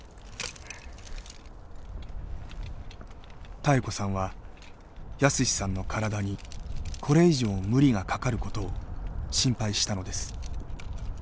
妙子さんは泰史さんの体にこれ以上無理がかかることを心配したのです。